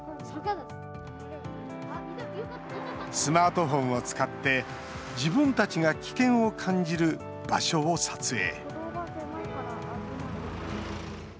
スマートフォンを使って、自分たちが危険を感じる場所を撮影。